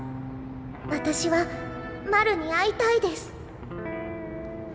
私はマルに会いたいです！！」。